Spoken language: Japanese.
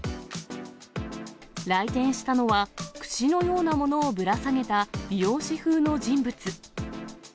来店したのはくしのようなものをぶら下げた美容師風の人物。